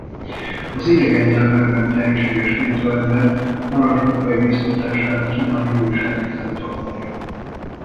Az idegen nyelvekben tehetséges fiatalember parancsnokai biztatására kínaiul is elkezdett tanulni.